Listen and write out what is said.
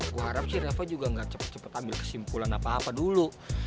gue harap sih raffa juga gak cepet cepet ambil kesimpulan apa apa dulu